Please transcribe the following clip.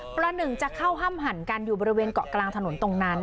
ประหนึ่งจะเข้าห้ามหั่นกันอยู่บริเวณเกาะกลางถนนตรงนั้น